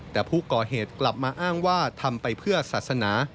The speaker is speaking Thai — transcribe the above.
แต่ผู้ก่อเหตุกลับมาอ้างว่าทำไปเพื่อศาสนา